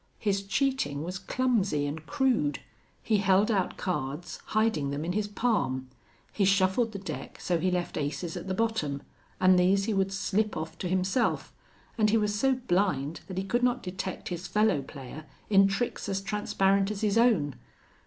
His cheating was clumsy and crude. He held out cards, hiding them in his palm; he shuffled the deck so he left aces at the bottom, and these he would slip off to himself, and he was so blind that he could not detect his fellow player in tricks as transparent as his own.